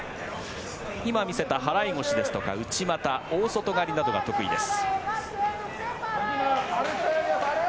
今、見せた払い腰ですとか内股大外刈りなどが得意です。